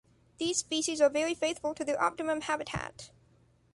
These species are very faithful to their optimum habitat.